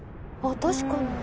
確かに。